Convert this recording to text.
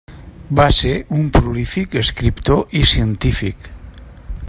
Va ser un prolífic escriptor i científic.